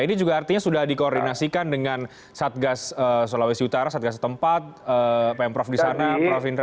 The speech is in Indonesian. ini juga artinya sudah dikoordinasikan dengan satgas sulawesi utara satgas setempat pemprov di sana prof indra